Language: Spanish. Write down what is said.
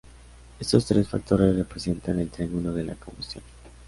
Estos tres factores representan el triángulo de la combustión.